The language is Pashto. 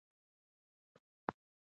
په خپلو لیکنو کې یې وساتو.